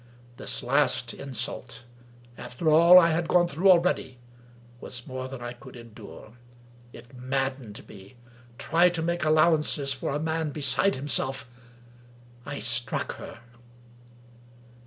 This last insult — ^after all I had gone through already — was more than I could endure. It maddened me. Try to make allowances for a man beside himself. I struck her.